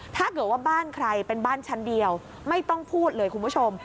ถ้าเกิดว่าบ้านใครเป็นบ้านชั้นเดียวไม่ต้องพูดเลยคุณผู้ชม